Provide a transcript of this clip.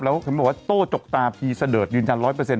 แล้วเขาบอกว่าโต้จกตาพีศเดิร์ดยืนยัน๑๐๐